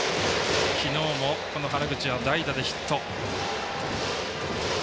昨日も原口は代打でヒット。